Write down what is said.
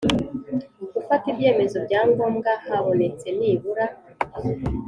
Gufata ibyemezo bya ngombwa habonetse nibura